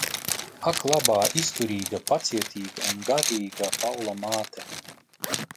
Ak labā, izturīga, pacietīga un gādīgā Paula māte!